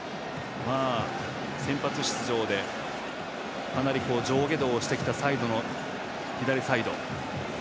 先発出場でかなり上下動をしてきた左サイド。